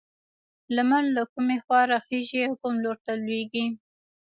لمر له کومې خوا راخيژي او کوم لور ته لوېږي؟